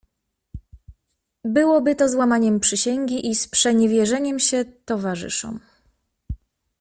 "Byłoby to złamaniem przysięgi i sprzeniewierzeniem się towarzyszom."